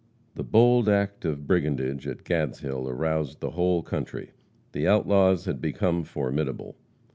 The bold act of brigandage at Gadshill aroused the whole country. The outlaws had become formidable.